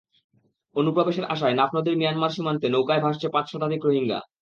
অনুপ্রবেশের আশায় নাফ নদীর মিয়ানমার সীমান্তে নৌকায় ভাসছে পাঁচ শতাধিক রোহিঙ্গা।